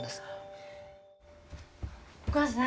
お母さん